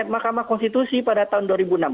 mahkamah konstitusi pada tahun dua ribu enam belas